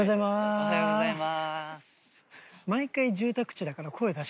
おはようございます。